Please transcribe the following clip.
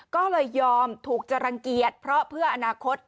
ก็เลยยอมถูกจะรังเกียจเพราะเพื่ออนาคต